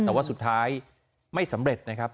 แต่ว่าสุดท้ายไม่สำเร็จนะครับ